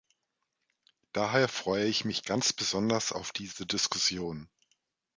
Daher freue ich mich ganz besonders auf diese Diskussion.